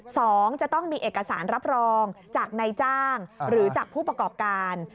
สองจะต้องมีเอกสารรับรองจากนายจ้างหรือจากผู้ประกอบการ